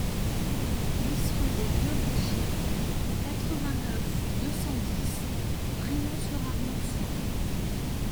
dix rue des Vieux Bouchers, quatre-vingt-neuf, deux cent dix, Brienon-sur-Armançon